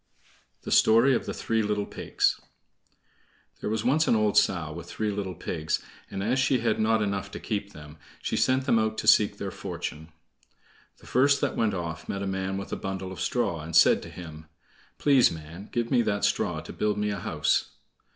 The Story of the Three Little Pigs There was once an old sow with three little pigs, and as she had not enough to keep them, she sent them out to seek their fortune. The first that went off met a man with a bundle of straw, and said to him: "Please, man, give me that straw to build me a house."